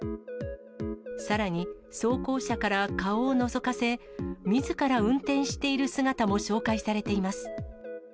さらに、装甲車から顔をのぞかせ、みずから運転している姿も紹介されています。